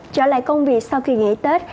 trở lại công việc sau khi nghỉ tết